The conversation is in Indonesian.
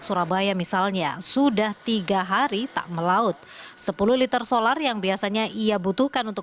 surabaya misalnya sudah tiga hari tak melaut sepuluh liter solar yang biasanya ia butuhkan untuk